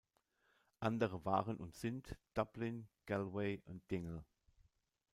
Andere waren und sind Dublin, Galway und Dingle.